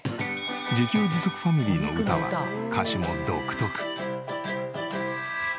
自給自足ファミリーの歌は歌詞も独特。